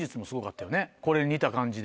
これに似た感じで。